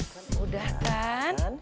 kan udah kan